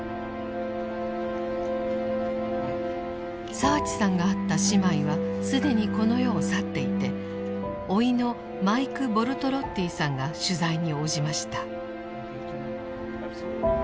澤地さんが会った姉妹は既にこの世を去っていて甥のマイク・ボルトロッティさんが取材に応じました。